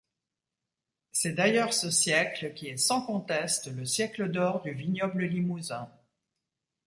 C'est d'ailleurs ce siècle qui est sans conteste le siècle d'or du vignoble limousin.